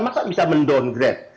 maka bisa mendongger